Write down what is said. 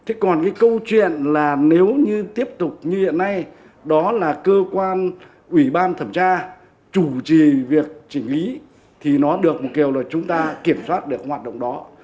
thế còn cái câu chuyện là nếu như tiếp tục như hiện nay đó là cơ quan ủy ban thẩm tra chủ trì việc chỉnh lý thì nó được một kiểu là chúng ta kiểm soát được hoạt động đó